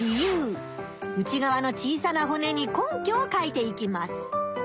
内がわの小さなほねに根拠を書いていきます。